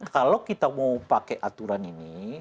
kalau kita mau pakai aturan ini